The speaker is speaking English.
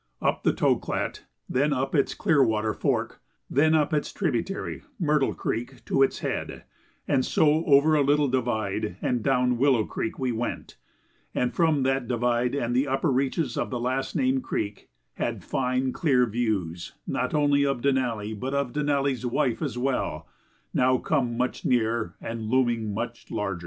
Up the Toklat, then up its Clearwater Fork, then up its tributary, Myrtle Creek, to its head, and so over a little divide and down Willow Creek, we went, and from that divide and the upper reaches of the last named creek had fine, clear views not only of Denali but of Denali's Wife as well, now come much nearer and looming much larger.